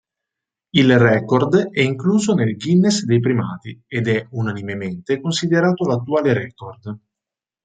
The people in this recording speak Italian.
Il record è incluso nel "Guinness dei primati" ed è unanimemente considerato l'attuale record.